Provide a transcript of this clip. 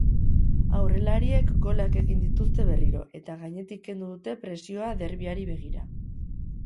Aurrelariek golak egin dituzte berriro, eta gainetik kendu dute presioa derbiari begira.